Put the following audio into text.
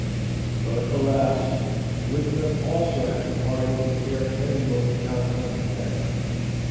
But, alas! with them also had departed the fair fame of the "California Pet."